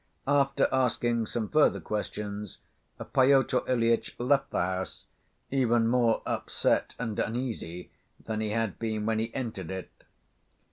After asking some further questions, Pyotr Ilyitch left the house, even more upset and uneasy than he had been when he entered it.